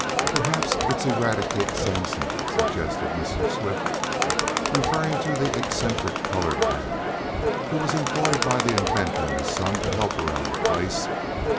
"Perhaps it's Eradicate Sampson," suggested Mr. Swift, referring to the eccentric colored man who was employed by the inventor and his son to help around the place.